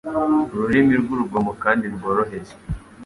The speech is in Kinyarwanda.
Ururimi rwurugomo kandi rworoheje